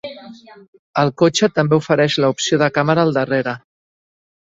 El cotxe també ofereix la opció de càmera al darrera.